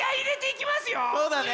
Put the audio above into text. そうだね！